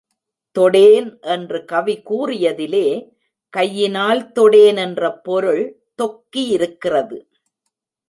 தொடேன் என்று கவி கூறியதிலே, கையினால் தொடேன் என்ற பொருள் தொக்கியிருக்கிறது.